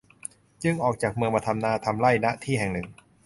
จึงออกจากเมืองมาทำนาทำไร่ ณ ที่แห่งหนึ่ง